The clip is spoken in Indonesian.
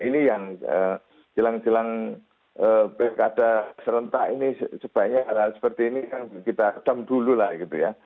ini yang jelang jelang berkada serentak ini sebaiknya seperti ini kita ketam dulu lah gitu ya